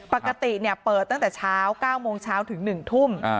ปกติเปิดตั้งแต่เช้า๙โมงเช้าถึง๑ทุ่ม